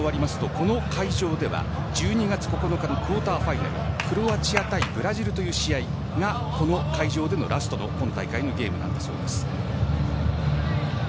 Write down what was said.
この会場では１２月９日のクォーターファイナルクロアチア対ブラジルという試合が、この会場でのラストの今大会のゲームなんだそうです。